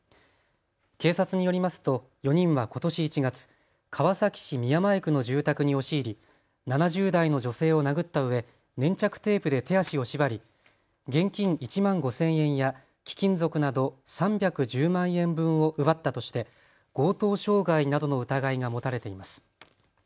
警察によりますと４人はことし１月、川崎市宮前区の住宅に押し入り、７０代の女性を殴ったうえ粘着テープで手足を縛り現金１万５０００円や貴金属など３１０万円分を奪ったとして強盗傷害などの疑いが持たれています。